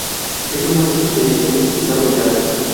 Es un músico pianista especializado en jazz.